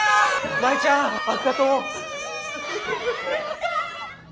舞ちゃんあっがとう。